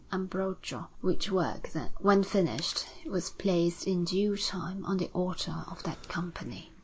Ambrogio; which work, when finished, was placed in due time on the altar of that Company.